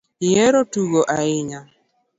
Ihero tugo ahinya